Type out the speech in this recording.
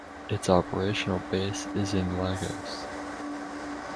Its Operational base is in Lagos.